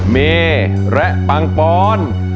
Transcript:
เมละปังปรณ์